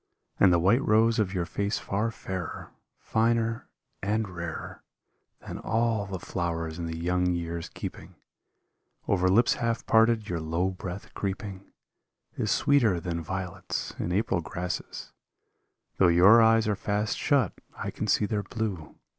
And the white rose of your face far fairer, Finer, and rarer Than all the flowers in the young year's keeping; Over lips half parted your low breath creeping Is sweeter than violets in April grasses ; Though your eyes are fast shut I can see their blue.